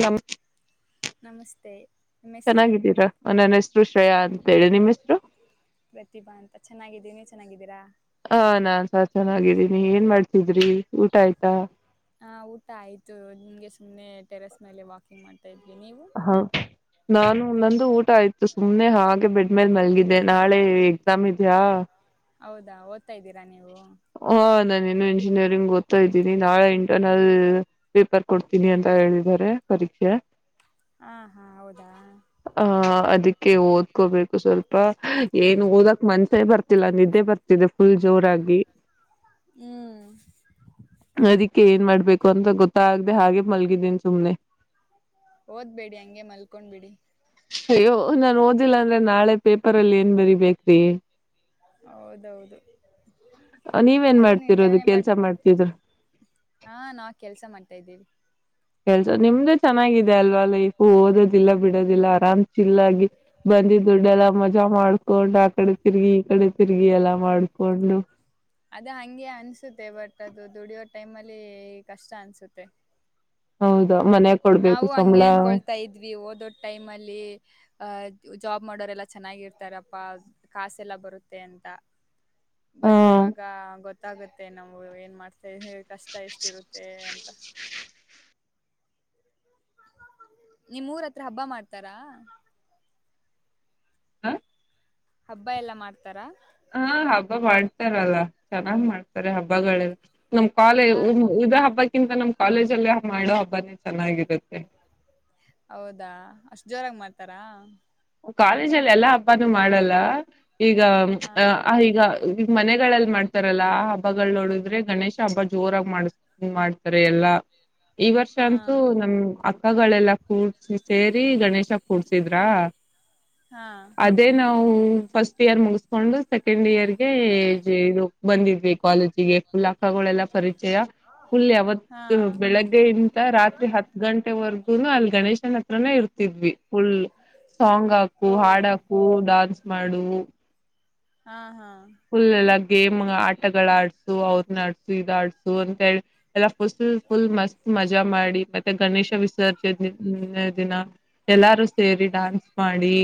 ನಮ್ ನಮಸ್ತೆ ನಿಮ್ಮ ಹೆಸರು ಚೆನ್ನಾಗಿದ್ದೀರಾ ನನ್ ಹೆಸ್ರು ಶ್ [unintelligible] ಪ್ರತಿಭಾ ಅಂತ ಚೆನ್ನಾಗಿದ್ದೀನಿ ಚೆನಾಗಿದಿರಾ ಹಾ ನಾನ್ಸ ಚೆನಾಗಿದೀನಿ ಏನ್ ಮಾಡ್ತಿದ್ರಿ ಊಟ ಆಯ್ತಾ ಹಾ ಊಟ ಆಯ್ತು ಹಿಂಗೆ ಸುಮ್ನೆ ಟೆರಸ್ ಮೇಲೆ ವಾಕಿಂಗ್ ಮಾಡ್ ತಾಯಿದ್ವಿ ನೀವು ಹ ನಾನು ನಂದು ಊಟ ಆಯ್ತು ಸುಮ್ನೆ ಹಾಗೆ ಬೆಡ್ಮೇಲ್ ಮಲ್ಗಿದ್ದೆ ನಾಳೆ ಎಕ್ಸಾಮ್ ಇದ್ಯಾ ಹೌದಾ ಓದ್ತಾ ಇದ್ದೀರಾ ನೀವು ಹಾ ನಾನೇನು ಇಂಜಿನಿಯರಿಂಗ್ ಓದ್ತಾ ಇದ್ದೀನಿ ನಾಳೆ ಇಂಟರ್ನಲ್ ಪೇಪರ್ ಕೊಡ್ತೀನಿ ಅಂತ ಹೇಳಿದ್ದಾರೆ ಪರೀಕ್ಷೆ. ಹಾ ಹಾ ಹೌದಾ ಹ ಅದಕ್ಕೆ ಓದ ಓದಕೋಬೇಕು ಸ್ವಲ್ಪ ಏನು ಓದಕ್ ಮನ್ಸೇ ಬರ್ತಿಲ್ಲ ನಿದ್ದೆ ಬರ್ತಿದೆ ಫುಲ್ ಜೋರಾಗಿ ಹ್ಮ್ಹೂಂ ಅದಕ್ಕೆ ಏನ್ ಮಾಡ್ಬೇಕು ಅಂತ ಗೊತ್ತಾಗಗದೆ ಹಾಗೆ ಮಲ್ಗಿದ್ದೀನ್ಿ ಸುಮ್ನೆ ಓದ್ಬೇಡಿ ಹಂಗೆ ಮಲ್ಕೊಂಡ್ ಬಿಿಡಿ ಅಯ್ಯೋ ನಾನ್ ಓದಿಲ್ಲ ಅಂದ್ರೆ ನಾಳೆ ಪೇಪರ್ ಅಲ್ಲಿ ಏನ್ ಬರಿಬೇಕ್ರಿ ಹೌದೌದು ನೀವೇನ್ ಅದು ಮಾಡ್ತಿರೋದು ನಿಜಾನೇ ಕೆಲ್ಸ ಬಟ್ ಮಾಡ್ತಿದ್ರರು ಹಾ ನಾವ್ [unintelligible] ಕೆಲ್ಸ ನಿಮ್ದೇ ಚೆನ್ನಾಗಿದೆ ಅಲ್ವಾ ಲೈಫು ಓದೋದಿಲ್ಲ ಬಿಡೋದಿಲ್ಲ ಆರಾಮ್ ಚಿಲ್ಲಾಗಿ ಬಂದಿ ದುಡ್ಡೆಲ್ಲಾ ಮಜಾ ಮಾಡ್ಕೊಂಡ್ ಆ ಕಡೆ ತಿರ್ಗಿ ಈ ಕಡೆ ತಿರ್ಗಿ ಎಲ್ಲಾ ಮಾಡ್ಕೊಂಡು. ಅದ ಹಂಗೆ ಅನ್ಸುತ್ತೆ ಬಟ್ ಅದು ದುಡಿಯೋ ಟೈಮ್ ಅಲ್ಲಿ ಕಷ್ಟ ಅನ್ಸುತ್ತೆ ಹೌದು ನಾವು ಹಂಗೆ ಅನ್ಕೊಳ್ತಾ ಇದ್ವಿ ಓದೋದ ಟೈಮ್ ಅಲ್ಲಿ ಅಹ ಜಾಬ್ ಮಾಡೋರೆಲ್ಲಾ ಚೆನ್ನಾಗಿರ್ತಾರಪ್ಪಾ ಕಾಸೆಲ್ಲ ಬರುತ್ತೆ ಅಂತ. ಹ ಬಟ್ ಇವಾಗ ಗೊತ್ತ ಗೊತ್ತಾಗುತ್ತೆ ನಮ್ಗೆ ಏನ್ ಮಾಡ್ತ ಕಷ್ಟ ಎಷ್ಟ ಇರುತ್ತೆ ಅಂತ ನಿಮ್ಮ್ೂರ ಹತ್ರ ಹಬ್ಬ ಮಾಡ್ತಾರಾ ಹ ಹಬ್ಬ ಎಲ್ಲಾ ಮಾಡ್ತಾರ ಹಾ ಹಬ್ಬ ಮಾಡ್ತಾರಲ್ಲ ಚೆನ್ನಾಗ್ ಮಾಡ್ತಾರೆ ಹಬ್ಬಗಳೆಲ್ಲ ನಮ್ ಕಾಲೇ ಯಾ ಇದ ಹಬ್ಬಕ್ಕಿಂತ ನಮ್ ಕಾಲೇಜಲ್ಲೇ ಮಾಡೋ ಹಬ್ಬನೇ ಚೆನ್ನಾಗಿರುತ್ತೆ ಹೌದಾ ಅಷ್ಟು ಜೋರಾಗಿ ಮಾಡ್ತಾರಾ ಕಾಲೇಜಲ್ಲಿ ಎಲ್ಲಾ ಹಬ್ಬಾನು ಮಾಡಲ್ಲ ಈಗ ಹಾ ಈಗ ಮನೆಗಳೆಲ್ಲ ್ ಮಾಡ್ತಾರಲ್ಲಾ ಆ ಹಬ್ಬಗಳ ನೋಡಿದ್ರೆ ಗಣೇಶ ಹಬ್ಬ ಜೋರಾಗಿ ಮಾಡ್ ಮಾಡ್ತಾರೆ ಎಲ್ಲಾ ಈ ವರ್ಷ ಹಾ ಅಂತೂ ನಮ ಪಕ್ಕಗಳೆಲ್ಲಾ ಕೂಡ್ಸಿ ಸೇರಿ ಗಣೇಶ ಕೂಡ್ಸಿದ್ರ ಹಾ ನವು ಫಸ್ಟ್ ಇಯರ್ ಮುಗಿಸಕೊಂಡು ಸೆಕೆಂಡ್ ಇಯರ್ಗೆ ಬಂದಿದ್ವಿ ಕಾಲೇಜಿಗೆ ಫುಲ್ ಅಕ್ಕಗಳೆಲ್ಲ ಪರಿಚಯ ಫುಲ್ ಹಾ ಯಾವತ್ತು ಬೆಳಗ್ಗೆಯಂತ ರಾತ್ರಿ ಹತ್ತು ಗಂಟೆವರೆಗುನು ಅಲ್ಲಿ ಗಣೇಶನ ಹತ್ರನೇ ಇರ್ತಿದ್ವಿ ಫುಲ್ [inaudible] ಸಾಂಗ್ ಹಾಕು ಓ ಹಾಡು ಹಾಕು ಡಾನ್ಸ್ ಮಾಡು ಹಾ ಹಾ ುಲ್ಲ ಗೇಮ್ ಆಟಗಳ ಆಡ್ಸು ಅವ್ರ ಆಡ್ಸು ಇದ ಆಡ್ಸು ಅಂತಿ ಎಲ್ಲ ಫುಲ್ ಫುಲ್ ಮಸ್ತ್ ಮಜಾ ಮಾಡಿ ಮತ್ತೆ ಗಣೇಶ ವಿಸರ್ಜನೆ ದಿನ ಎಲ್ಲಾರು ಸೇರಿ ಡಾನ್ಸ್ ಮಾಡಿ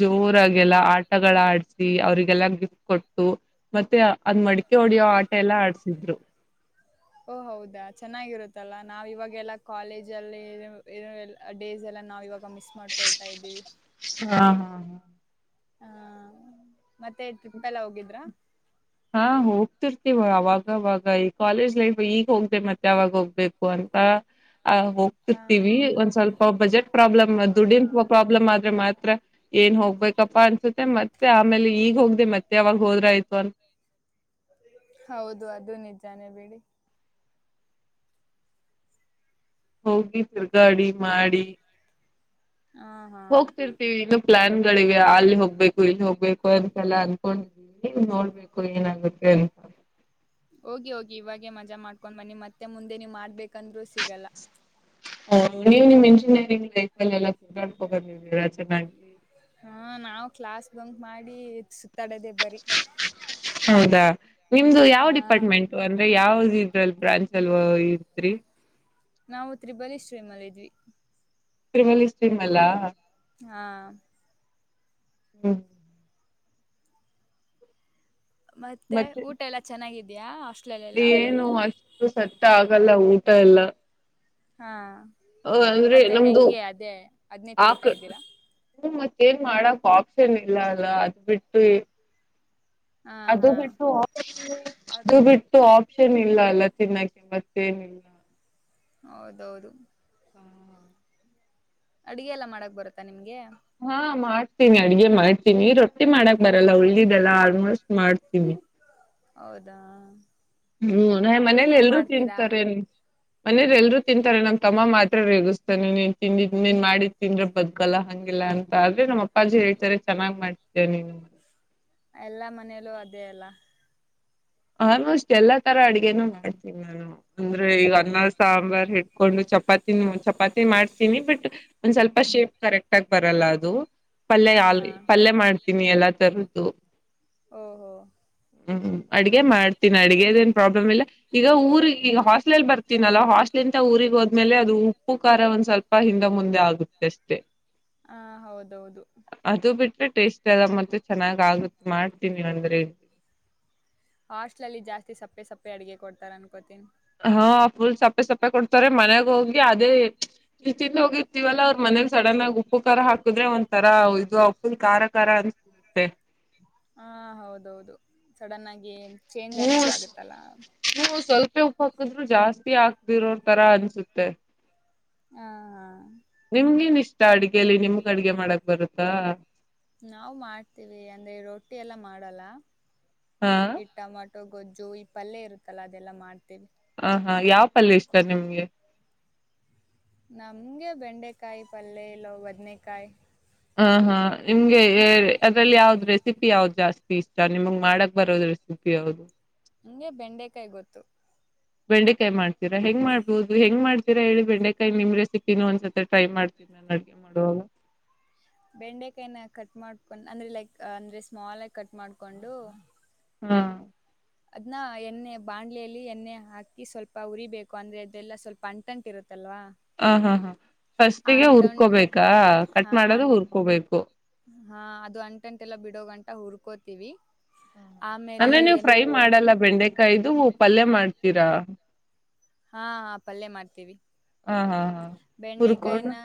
ಜೋರಾಗಲ್ಲ ಆಟಗಳ ಆಡ್ಸಿ ಅವ್ರರಿಗೆಲ್ಲಾ ಗಿಫ್ಟ ಕೊಟ್ಟು ಮತ್ತೆ ಅದ್ ಮಡಿಕೆ ಹೊಡಿಯೋ ಆಟ ಎಲ್ಲಾ ಆಡ್ಸಿದ್ರು ಓ ಹೌದಾ ಚೆನ್ನಾಗಿರುತ್ತಲ್ಲಾ ನಾವ್ ಇವಾಗೆಲ್ಲಾ ಕಾಲೇಜ್ ಅಲ್ಲಿ ಡೇಸ್ ಎಲ್ಲ ನಾವ್ ಇವಾಗ ಮಿಸ್ ಮಾಡ್ಕೊಳ್ತಾ ಇದ್ದೀವಿ ಹಾ ಹಾ ಹಾ ಹಾ ಮತ್ತೆ ಟ್ರಿಪ್ ಎಲ್ಲ ಹೋಗಿದ್ರ ಹಾ ಹೋಗ್ತಿರ್ತಿವ ಅವಾಗವಾಗ ಈ ಕಾಲೇಜ್ ಲೈಫ್ ಈಗ ಹೋಗ್ದ ಮತ್ತೆ ಅವಾಗ ಹೋಗ್ಬೇಕು ಅಂತ ಆ ಹ ಹೋಗ್ತಿರ್ತಿೀವಿ ಒಂದ್ ಸ್ವಲ್ಪ ಬಜೆಟ್ ಪ್ರಾಬ್ಲಮ್ ದುಡ್ಡಿನ ಪ್ರಾಬ್ಲಮ್ ಆದ್ರೆ ಮಾತ್ರ ಏನ್ ಹೋಗ್ಬೇಕ ಪ್ಪಾ ಅನ್ಸುತ್ತೆ ಮತ್ತೆ ಆಮೇಲೆ ಈಗ ಹೋಗ್ದೆ ಮತ್ತೆ ಯಾವಾಗ ಹೋದ್ರ ಆಯ್ತು ಅಂತ ಹೌದು ಅದು ನಿಜಾನೇ ಬಿೇಡಿ ಹೋಗಿ ತಿರ್ಗಾಡಿ ಮಾಡಿ ಹ ಹಾ ಹೋಗ್ತಿರ್ತೀವಿ ಇನ್ನು ಪ್ಲಾನ್ಗಳಿವೆ ಅಲ್ಲಿ ಹೋಗ್ಬೇಕು ಇಲ್ಲಿ ಹೋಗ್ಬೇಕು ಅಂತೆಲ್ಲ ಅನ್ಕೊಂಡಿದೀವಿ ನೋಡ್ಬೇಕು ಏನಾಗುತ್ತೆ ಅಂತ ಹೋಗಿ ಹೋಗಿ ಇವಾಗೇ ಮಜಾ ಮಾಡ್ಕೊಂಡ್ ಬನ್ನಿ ಮತ್ತೆ ಮುಂದೆ ನೀವು್ ಮಾಡ್ಬೇಕಂದ್ರರು ಸಿಗಲ್ಲ ಹ ನೀವು್ ನಿಮ್ ಇಂಜಿನಿಯರಿಂಗ್ ಲೈಫ್ ಅಲ್ಲಿ ಎಲ್ಲಾಕದು ನೀ ಮ್ಯಾ್ಲಿ ಹಾ ನಾವವು್ ಕ್ಲಾಸ್ ಬಂಕ್ ಮಾಡಿ ತಡೆದೇ ಬರಿ ಹೌದಾ ನಿಮ್ದು ಯಾವ ಹಾ ಡಿಪಾರ್ಟ್ಮೆಂಟ್ು ಅಂದ್ರೆ ಯಾವ್ದ ಬ್ರಾನ್ಚ್ ಎಲ್ ಇಡೀ ನಾವವುತ್ರಿಬಲಿ ಶೀಮಲ ಇದ್ವಿ ತಿರುಮಲಿ ಶೀಮ ಅಲ್ಲಾ ಹ ಹ್ಮ್ ಮತ್ತೆ ಊಟ ಎಲ್ಲಾ ಚೆನ್ನಾಗಿ ಯ ಅಷ್ ಏನು ಅಷ್ಟು ಸತ್ತ ಆಗ್ ಲ್ಲ ಊಟ ಎಲ್ಲ ಹಾ ಹ ಅಂದ್ರೆ ಮತ್ತೆ ನಮ್ದು ಹೆಂಗೆ ಅದೇ ಅದ್ನೇ ಆಕ ತಿಂತಾ ಇದ್ದೀರಾ ಏನ್ ಮಾಡಕ್ ಆಪ್ಷನ್ ಇಲ್ಲ ಅಲ್ಲ ಅದ್ ಬಿಟ್ಟು ಹಾ ಅದು ಹಾ ಬಿಟ್ಟು ಅದು ಬಿಟ್ ಆಪ್ಷನ್ ಇಲ್ಲ ಅಲ್ಲ ತಿನ್ನಕ ಮತ್ತೇನಿಲ್ಲ. ಹೌದೌದು. ಅಡಗೆ ಎಲ್ಲಾ ಮಾಡಕ್ ಬರುತ್ತಾ ನಿಮ್ಗೆ? ಹಾ ಮಾಡ್ ತಿನಿ ಅಡ್ಗೆ ಮಾಡ್ತೀನಿ. ರೊ ಮಾಡಕ್ ಬರಲ್ಲ ಒಳ್ಳಿದೆಲ್ಲ ಆಲ್ಮೋಸ್ಟ್ ಮಾಡ್ತೀನಿ. ಹೌದಾ ಹ್ಮ್ ನಮ್ ಮನೇಲಿ ಏನೇನ್ ಎಲ್ರೂ ಮಾಡ್ತೀರಾ ತಿನ್ತಾರೆೇನ್ [inaudible] ಮನೇರ್ ಎಲ್ರುೂ ತಿಂತಾರೆ, ನಮ್ ತಮ್ಮ ಮಾತ್ರ ರೇಗಿಸ್ತಾನೆ. ನೀನ್ ತಿಂದಿದ ನೀನ್ ಮಾಡಿ ತಿಂದ್ರ ಬದಕಲ್ಲ ಹಂಗಿಲ್ಲ ಅಂತ ಆದ್ರೆ ನಮ್ಮ ಅಪ್ಪಾಜಿ, ಹೇಳ್ತಾರೆ ಚೆನ್ನಾಗ್ ಮಾಡಿದಿಯ ನೀನು. ಎಲ್ಲಾ, ಮನೆಯಲ್ಲೂ ಅದೇ ಅಲ್ಲ? ಆಲ್ಮೋಸ್ಟ್ ಎಲ್ಲಾ ತರ ಅಡ್ಗೆನು ಮಾಡ್ತೀನಿ ನಾನು ಅಂದ್ರೆ. ಈಗ ಅನ್ನ ಸಾಂಬಾರ್ ಇಟ್ಕೊಂಡು ಚಪಾತಿನ, ಚಪಾತಿ ಮಾಡ್ತೀನಿ. ಬಟ್ ಒಂದ್ ಸ್ವಲ್ಪ ಶೇಪ್ ಕರೆಕ್ಟ್ ಆಗ ಬರಲ್ಲ ಅದು. ಪಲ್ಯ, ಹಾ ಯಾಲ್ ಹಾ ಪಲ್ಯ ಮಾಡ್ತೀನಿ ಎಲ್ಲಾ ತರ ಹ ಓಹೋ ಹ್ಮ್, ಹ್ಮ್ ಅಡ್ಗೆ, ಮಾಡ್ತೀನಿ. ಅಡಗೆದ ಏನ್ ಪ್ರಾಬ್ಲಮ್ಇಲ್ಲಲ ಈಗ ಊರಿಗೆ ಈಗ ಹಾಸ್ಟ್ಲೆಲ್, ಬರ್ತೀನಲ್ಲ ಹಾಸ್ಟ್ಲ್ ಇಿಂದ ಊಗ್ ಹೋದ್ಮೇಲೆ. ಅದು ಉಪ್ಪುಖಾರ ಒಂದ ಸ್ವಲ್ಪ ಹಿಂದೆ, ಮುಂದೆ ಆಗುತ್ತೆ ಅಷ್ಟೆ. ಹಾ, ಹೌದೌದು. ಅದು ಬಿಟ್ರೆ ಟೇಸ್ಟ್, ಅದ ಮತ್ತೆ ಚೆನ್ನಾಗಗುತ್ತೆ ಮಾಡ್ತೀನಿ ಅಂದ್ರೆ ಹಾಸ್ಟ್ಲಲ್ಲಿ ಜಾಸ್ತಿ ಸಪ್ಪೆ ಸಪ್ಪೆ, ಅಡಗೆ ಕೊಡ್ತಾರ ಅನ್ಕೋತನಿ. ಹಾ, ಫುಲ್ ಸಪ್ಪೆ ಸಪ್ಪೆ ಕೊಡ್ತಾರೆ, ಮನೆಗೆ ಹೋಗಿ ಅದೇ ನೀ ತಿಂದು ಹೋಗಿರ್ತೀವಲ್ಲ ಅವ್ರ ಮನೆಗ್ ಸಡನ್ ಆಗಿ ಉಪ್ಪು ಖಾರ, ಹಾಕಿದ್ರೆ. ಒಂದಥರ ಇದು ಫುಲ್ ಖಾರ ಖಾರ ಅನ್ಸುತ್ತೆ. ಹ, ಹೌದೌದು, ಸಡನ್ ಆಗಿ ಚೇಂಜ್, ನೀವು ಆದ್ದಂಗ ಆಗತ್ತಲ್ಲಾ. ನೀವು ಸ್ವಲ್ಪ ಉಪ್ಪು ಹಾಕಿದ್ರು ಜಾಸ್ತಿ ಆಗ್ದಿರೋರ್ ತರ ಅನ್ಸುತ್ತೆ. ಹಾ, ಹ ನಿಮ್ಗೇನ್, ಇಷ್ಟ ಅಡಗೆಲಿ ನಿಮ್ಗ್ ಅಡ್ಗೆ ಮಾಡಕ್ ಬರುತ್ತಾ? ನಾವವು, ಮಾಡ್ತೀವಿ. ಅಂದ್ರೆ ರೊಟ್ಟಿ ಎಲ್ಲಾ ಮಾಡಲ್ಲ. ಹಾ ಇಂಡ ಮಾಡ್ ಗೊಜ್ಜು, ಈ ಪಲ್ಲೆ ಇರುತ್ತಲ್ಲ, ಅದೆಲ್ಲ ಮಾಡ್ತೀವಿ. ಹ, ಹಾ ಯಾವ ಪಲ್ಯ ಇಷ್ಟ ನಿಮ್ಗೆ? ನಮ್ಗೆ, ಬೆಂಡೆಕಾಯಿ ಪಲ್ಲೆ ಇಲ್ಲೋ ಬದ್ನೆೇಕಾಯಿ. ಹ, ಹಾ ನಿಮ್ಗೆ ಅದ್ರಲ್ಲಿ ಯಾವ್ದ್ ರೆಸಿಪಿ. ಯಾವ್ದ್ ಜಾಸ್ತಿ? ಇಷ್ಟ ನಿಮಗ್ ಮಾಡಕ್ ಬರೋದ ರೆಸಿಪಿ ಯಾವ್ದು. [unintelligible] ಹಂಗೆ, ಬೆಂಡೆಕಾಯಿ. ಗೊತ್ತು? [inaudible] ಬೆಂಡೆಕಾಯಿ. ಮಾಡ್ತೀರಾ ಹೆಂಗ್ ಮಾಡ್ಬೋದು ಹೆಂಗ್ ಮಾಡ್ತೀರಾ? ಹೇಳಿ ಬೆಂಡೆಕಾಯಿ. ನಿಮ್ ರೆಸಿಪಿನ, ಒಂದ್ಸ ಟ್ರೈ ಮಾಡ್ತೀನಿ! ನಾನು ಅಡ್ಗೆ ಮಾಡುವಾಗ. [unintelligible] ಬೆಂಡೆಕಾಯನ, ಕಟ್ ಮಾಡ್ಕೊಂಡ್ ಅಂದ್ರೆ ಲೈಕ್! ಅಂದ್ರೆ ಸ್ಮಾಲ್ ಆಗಿ ಕಟ್ ಮಾಡ್ಕೊಂಡು? [inaudible] ಹಾ. [inaudible] ಅದ್ನ್ನ, ಎಣ್ಣೆ ಬಾಣ್ಲೆಯಲ್ಲಿ! ಎಣ್ಣೆ, ಹಾಕಿ ಸ್ವಲ್ಪ ಉರಿಬೇಕು ಅಂದ್ರೆ ಅದೆಲ್ಲ ಸ್ವಲ್ಪ ಅಂಟಟು ಇರುತ್ತಲ್ವಾ. [unintelligible] ಹ, ಹಾ, ಹಾ? [inaudible] ಆ ಫಸ್ಟಿಗೆ, ಅಂಟನ್ ಹುರ್ಕೋಬೇಕಾ. ಕಟ್ ಹಾ ಮಾಡದು ಅನ್ ಹುರ್ಕೋಬೇಕು?.. [inaudible] ಹಾ? ಅದು ಅಂಟಂಂತೆ. ಎಲ್ಲ ಬಿಡೋಗಂಟ, ಹುರ್ಕೋತಿೀವಿ. [inaudible] ಹ! ಅಂದ್ರೆ ನೀವವು. ಫ್ರೈ, ಮಾಡಲ್ಲ ಬೆಂಡೆಕಾಯ್ದು ಉ? [inaudible] ಪಲ್ಯ. ಮಾಡ್ತೀರಾ? [inaudible] ಹಾ! ಪಲ್ಯೆ, ಮಾಡ್ತೀವಿ. [inaudible] ಹಾ, ಹಾ, ಹಾ. ಕುುರ್ಕೋಟ್. [inaudible]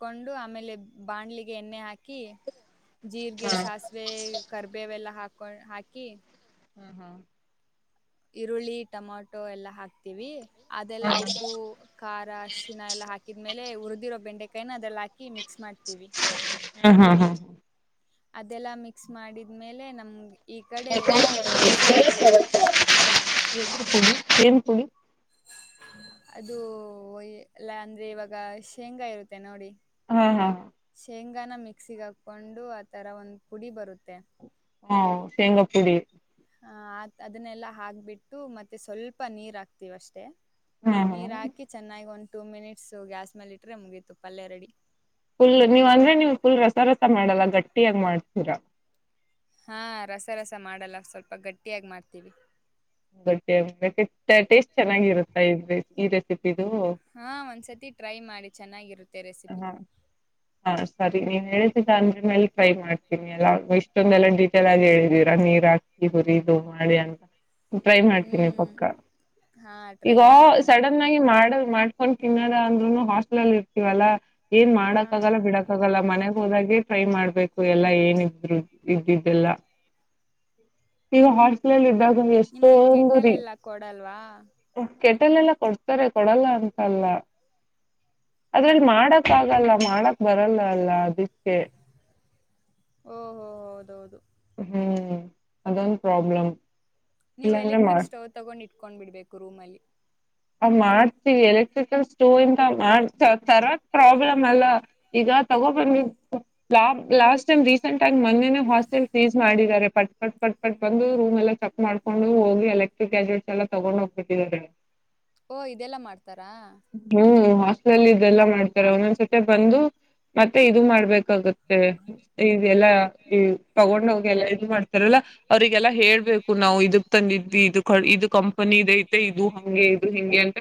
ಕೊಂಡು, ಆಮೇಲೆ. ಬಾಣ್ಲಿಗೆ ಎಣ್ಣೆ ಹಾಕಿ?.. [inaudible] ಜೀರ್ರಿಗೆ, ಹಾ ಸಾಸಿವೆ. ಕರ್ಬೇವೆಲ್ಲಾ ಹಾಕ? [inaudible] ಹಾಕಿ? ಹ್ಮ, ಹಾ. [inaudible] ಈರುಳ್ಳಿ ಟೊಮಟೊ ಎಲ್ಲ ಹಾಕ್ತೀವಿ ಅದೆಲ್ಲಾ ಉಪ್ಪು ಖಾರ ಶಿಣ ಎಲ್ಲಾ ಹಾಕಿ ಇದ್ಮೇಲೆ ಉುಿದಿರೋ ಬೆಂಡೆಕಾಯನ ಅದೆಲ್ಲ ಹಾಕಿ ಮಿಕ್ಸ್ ಮಾಡ್ತವಿ ಹಾ ಹಾ ಹಾ ಅದೆಲ್ಲಾ ಮಿಕ್ಸ್ ಮಾಡಿದ್ಮೇಲೆ ನಮಗೆ [inaudible] ಏನ್ ಪುಡಿ ಅದು ಎಲ್ಲ ಅಂದ್ರೆ ಇವಾಗ ಶೇಂಗಾ ಇರುತ್ತೆ ನೋಡಿ ಹಾ ಹಾ ಈಗಾನ ಮಿಕ್ಸಿಿಗೆ ಹಾಕೊಂಡು ಆ ತರ ಒಂದ್ ಪುಡಿ ಬರುತ್ತೆ ಹ ಶೇಂಗಾ ಪುಡಿ ಹ ಅದನ್ನೆಲ್ಲಾ ಹಾಕ್ಬಿಟ್ಟು ಮತ್ತೆ ಸ್ವಲ್ಪ ನೀರ್ ಹಾಕ್ತಿೀವ ಅಷ್ಟೇ ಹಾ ಹಾ ನೀರ್ ಹಾಕಿ ಚೆನ್ನಾಗಿ ಉಂಟ ಟು ಮಿನಿಟ್ಸ್ ಗ್ಯಾಸ್ ಮೇಲೆ ಇಟ್ಟ್ರೆ ಮುಗೀತು ಪಲ್ಯ ರೆಡಿ ುಲ್ ನೀವ್ ಅಂದ್ರೆ ನಿವ್ ಫುಲ್ರ ಸರ ಮಾಡಲ್ಲ ಗಟ್ಟಿಯಾಗ ಮಾಡ್ತೀರ ಹಾ ರಸರಸ ಮಾಡಲ್ಲ ಸ್ವಲ್ಪ ಗಟ್ಟಿಯಾಗಿ ಮಾಡ್ತೀವಿ ಟೇಸ್ಟ್ ಚೆನ್ನಾಗಿರುತ್ತ ಈ ರೆಸಿಪಿ ಹಾ ಒಂದ್ಸತಿ ಟ್ರೈ ಮಾಡಿ ಚೆನ್ನಾಗಿರುತ್ತೆ ರೆಸಿಪಿ ಹಾ ಹ ಸರಿ ನೀವ್ ಹೇಳಳ್ತಿದ್ದ ಅಂದ್ರ ಮೇಲೆ ಟ್ರೈ ಮಾಡ್ತೀನಿ ಎಲ್ಲ ಇಷ್ಟೊಂದೆಲ್ಲ ಡೀಟೇಲ್ ಆಗಿ ಹೇಳಿದೀರಾ ನೀರ್ ಹಾಕಿ ಹುರಿದದು ಮಾಡಿ ಅಂತ ಟ್ರೈ ಹ್ಞೂ ಮಾಡ್ತೀನಿ ಪಕ್ಕ ಹಾಂ ಟ್ರೈ ಈಗ ಮಾಡಿ ಮಾಡಿ ಸಡನ್ ಆಗಿ ಮಾಡಲ್ ಮಾಡ್ಕೊಂಡ್ ತಿನ್ನ [unintelligible] ಅಂದ್ರೂನು ಹಸ್ಟಲ್ಲ್ಲಿ ಇರತಿವಲ್ಲ ಏನ್ ಮಾಡಕ್ ಆಗಲ್ಲ ಹಾಂ ಬಿಡಕ್ಕ ಆಗಲ್ಲ ಮನೆಗ ಹೋದಾಗೆ ಟ್ರೈ ಮಾಡ್ಬೇಕು ಎಲ್ಲಾ ಏನಿದ್ರು ಇದಿದ್ದೆಲ್ಲ ಈಗ ಹಾಸ್ಲ ಇದ್ದಾಗ ನಿಮ್ಗೆ ಎಷ್ಟೊಂದು ಕೆಟ್ಟಲ ಎಲ್ಲಾ ಕೊಡಲ್ವಾ ಕೆಟ್ಟಲೆೆಲ್ಲ ಕೊಡ್ತಾರೆ ಕೊಡಲ್ಲ ಅಂತಲ್ಲ ಅದ್ರಲ್ಲಿ ಹಾಂ ಮಾಡಕ್ ಆಗಲ್ಲ ಮಾಡಕ್ ಬರಲ್ಲ ಅಲ್ಲ ಅದಕ್ಕೆ ಓಹಹೋ ಹೌದೌದು ಹ್ಮ್ ಅದೊಂದು ಪ್ರಾಬ್ಲಮ ನೀವು ಎಲೆಕ್ಟ್ರಿಕ್ ಸ್ಟವ್ ತಗೊಂಡಿ ಕೊಂಡ್ಬಿಡ್ಬೇಕು ರೂಮ್ ಅಲ್ಲಿ. ಹಂಗ್ ಮಾಡ್ತೀವಿ ಎಲೆಕ್ಟ್ರಿಕಲ್ ಸ್ಟೋವ್ ಇಂತ ಮಾಡ್ ತರಕ್ ಪ್ರಾಬ್ಲಮ್ ಅಲ್ಲ ಈಗ ತಗೋ ಬಂದ ಲ್ಯಾಬ್ ಲಾಸ್ಟ್ ಟೈಮ್ ರೀಸೆಂಟ್ ಆಗ ಮೊನ್ನೇನೆ ಹಾಸ್ಟೆಲ್ ಸೀಸ್ ಮಾಡಿದ್ದಾರೆ ಪಟ್ ಪಟ್ ಪಟ್ ಪಟ್ ಬಂದು ರೂಮ್ ಎಲ್ಲ ಚೆಕ್ ಮಾಡ್ಕೊಂಡು ಹೋಗಿ ಎಲೆಕ್ಟ್ರಿಕ್ ಗ್ಯಾಜೆಟ್ಸ್ ಎಲ್ಲ ತಗೊಂಡ್ ಹೋಗ್ಬಿಟ್ಟಿದ್ದಾರೆ. ಓ ಇದೆಲ್ಲಾ ಮಾಡ್ತಾರಾ. ಲಲ್ ಇದೆಲ್ಲ ಮಾಡ್ತಾರೆ ಒಂದೊಂದ್ಸತೆ ಬಂದು. ಮತ್ತೆ ಇದು ಮಾಡ್ಬೇಕಾಗುತ್ತೆ ಈದ್ ಎಲ್ಲ. ಈ ತಗೊಂಡ್ ಹಗೆಲ್ಲಾ ಇದು ಮಾಡ್ತಾರಲ್ಲ ಅವ್ರಿಗೆಲ್ಲಾ ಹೇಳ್ಬೇಕು ನಾವು ಇದಕ್ ತಂದಿದ್ವಿ ಇದು ಇದು ಕಂಪನಿ ಇದ ಐತೆ ಇದು ಹಂಗೆ. ಡು ಹಿಂಗೆ ಅಂತ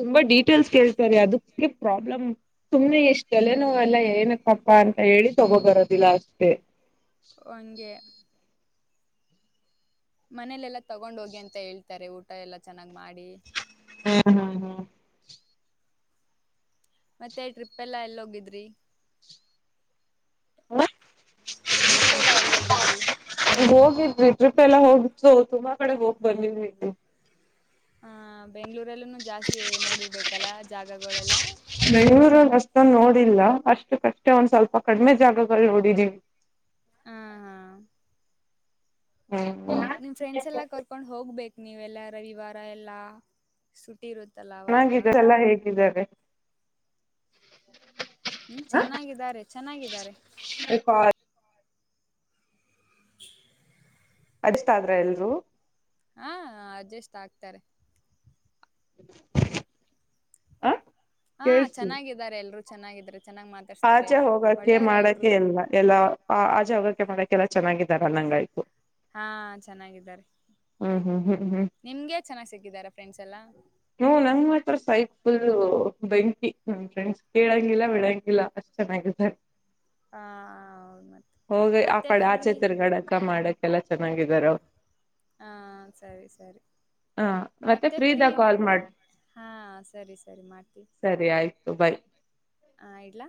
ತುಂಬಾ ಡಿಪ್ ಟೇಲ್ಸ್ ಕೇಳ್ತಾರೆ ಅದಕ್ಕೆ ಪ್ರಾಬ್ಲಮ್ ಸುಮ್ನೆ ಇಸ್ಟ್ ತಲೆನೋವ್ ಎಲ್ಲಾ ಏನಕ್ಕಪ್ಪಾ ಅಂತ ಹೇಳಿ ತಗೋ ಬರೋದಿಲ್ಲ ಅಷ್ಟೇ. ವಂಗೆ. ಮನೇಲೆಲ್ಲ. ತಗೊಂಡ್ ಹೋಗಿ ಅಂತ ಹೇಳ್ ತರೆ ಊಟ ಎಲ್ಲ ಚೆನ್ನಾಗ್ ಮಾಡಿ. ಹ್ಮ್ ಹ್ಮ್ ಮತ್ತೆ ಟ್ರಿಪ್ ಎಲ್ಲಾ ಎಲ್ಲೊಗಿದ್ರಿ. ಹ ಟ್ರಿಪ್ ಎಲ್ಲಾ ಎಲ್ಲಿೋಗಿದ್ರಿ ಹೋಗಿದ್ವಿ ಟ್ರಿಪ್ ಎಲ್ಲ ಹೋಗು ತುಂಬಾ ಕಡೆ ಹೋಗ್ ಬಂದಿದೀವಿ ಹಹ ಬೆಂಗ್ಗಳೂರಲ್ಲೂ ಜಾಸ್ತಿ ನೋಡಿರ್ಬೇಕಲ್ಲ ಜಾಗಗಳೆಲ್ಲ ಬೆಂಗಳೂರು ಅಷ್ಟೊಂದು ನೋಡಿಲ್ಲ ಅಷ್ಟು ಕಷ್ಟೇ ಒಂದ್ ಸ್ವಲ್ಪ ಕಡಿಮೆ ಜಾಗಗಳು ನೋಡಿದೀವಿ ಹ ಹಾ [unintelligible] ನಿಮ್ ಹ್ಮ್ ನಿಮ್ ಫ್ರೆಂಡ್ಸ್ ಎಲ್ಲಾ ಕರ್ಕೊಂಡ್ ಹೋಗ್ಬೇಕು ನೀವೆಲ್ಲ ರವಿವಾರ ಎಲ್ಲ ಸು [unintelligible] ಎಲ್ಲ ಹೇಗಿದ್ದಾರೆ [inaudible] ಹ್ಮ್ ಚೆನ್ನಾಗಿದ್ದಾರೆ ಚೆನ್ನಾಗಿದ್ದಾರೆ ಅಡ್ಜಸ್ಟ್ ಆದ್ರ ಎಲ್ರುೂ ಹಾ ಅಡ್ಜಸ್ಟ್ ಆಗ್ತಾರೆ ಆ ಹಾ ಚೆನ್ನಾಗಿದ್ದಾರೆ ಎಲ್ರು ಚೆನ್ನಾಗಿದ್ರ ಆಚೆ ಹೋಗಕೆ ಮಾಡಕೆ ಎಲ್ಲ ಎಲ್ಲ ಆಚೆ ಹೋಗಕ್ಕೆೆ ಮಾಡ ಕ್ಕೆ ಎಲ್ಲ ಚೆನ್ನಾಗಿದ್ದಾರೆ ಅನ್ನಂಗಾತ್ತು ಹಾ ಚೆನ್ನಾಗಿದ್ದಾರೆ ಹ್ಮ್ ಹ್ಮ್ ಹ್ಮ್ ಹ್ಮ್ ನಿಮ್ಗೆ ಚೆನ್ನಾಗ್ ಸಿಕ್ಕಿದಾರ ಫ್ರೆಂಡ್ಸ್ ಎಲ್ಲ ಹ್ಮ ನಂಗ್ ಮಾತ್ರ ಸೈಕ್ ಫುಲ್ ಬೆಂಕಿ ಫ್ರಂಡ್ಸ್ ಕೇಳಂಗಿಲ್ಲ ಬಿಡಂಗಿಲ್ಲ ಅಷ್ಟ ಚೆನ್ನಾಗ ಇದ್ದಾರೆ ಹಾ ಹೌದು ಮತ್ತೆ ಹೋಗ ಆ ಮತ್ತೆ ಕಡೆ ಫ್ರೀ ಆಚೆ ತಿರ್ಗಡಕ್ಕ ಮಾಡಕ್ಕೆ ಎಲ್ಲ ಚೆನ್ನಾಗಿದಾರ ಹಾ ಸರಿ ಸರಿ ಹ ಮತ್ತೆ ಫ್ರೀ ಫ್ರೀದಾಗ ಕಾಲ್ ಮಾಡ್ ಹಾ ಸರಿ ಸರಿ ಮಾಡ್ತೀವಿ. ಬೈ ಹ ಇಡ್ಲ್ಲ.